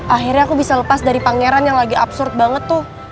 akhirnya aku bisa lepas dari pangeran yang lagi absurd banget tuh